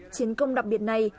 chiến công đặc biệt này